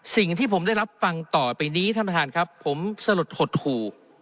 สิ่งที่ผมได้รับฟังต่อไปนี้ท่านประธานครับผมสลดหดหู่